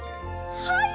はい！